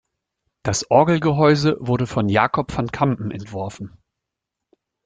Das Orgelgehäuse wurde von Jacob van Campen entworfen.